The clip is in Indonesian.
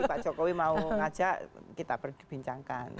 pak jokowi mau ngajak kita perbincangkan